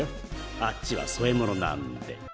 あっちは添え物なんで。